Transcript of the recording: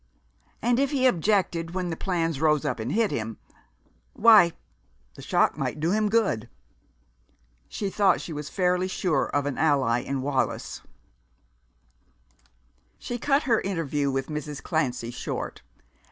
And if he objected when the plans rose up and hit him, why, the shock might do him good. She thought she was fairly sure of an ally in Wallis. She cut her interview with Mrs. Clancy short.